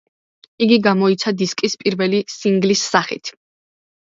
იგი გამოიცა დისკის პირველი სინგლის სახით.